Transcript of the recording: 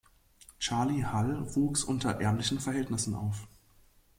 Charlie Hall wuchs unter ärmlichen Verhältnissen auf.